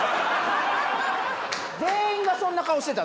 全員がそんな顔してた。